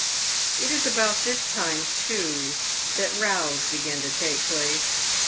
It is about this time, too, that " rows" begin to take place.